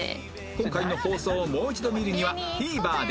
今回の放送をもう一度見るには ＴＶｅｒ で